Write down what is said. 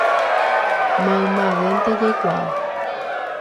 Maymavénte jaikuaa